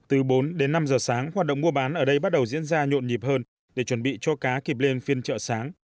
từ bốn đến năm giờ sáng hoạt động mua bán ở đây bắt đầu diễn ra nhộn nhịp hơn để chuẩn bị cho cá kịp lên phiên chợ sáng